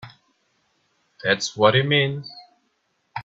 That's what it means!